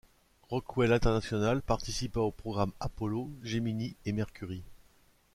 Rockwell International participa aux programmes Apollo, Gemini et Mercury.